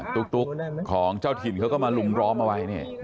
ตุ๊กของเจ้าถิ่นเขาก็มาหลุมร้อนนะครับ